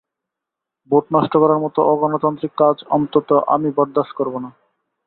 Vote নষ্ট করার মতো অগণতান্ত্রিক কাজ অন্তত আমি বরদাশত করব না।